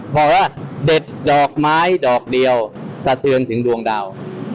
เพราะว่าเด็ดดอกไม้ดอกเดียวสะเทือนถึงดวงดาว